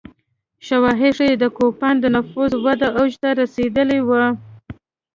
شواهد ښيي د کوپان د نفوس وده اوج ته رسېدلې وه